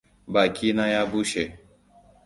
Baki na ya bushe.